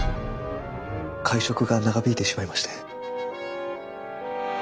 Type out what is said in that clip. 会食が長引いてしまいまして。